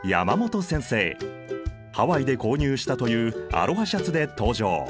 ハワイで購入したというアロハシャツで登場。